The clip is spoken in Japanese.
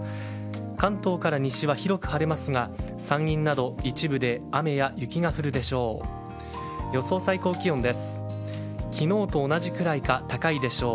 関東から西は広く晴れますが山陰など一部で雨や雪が降るでしょう。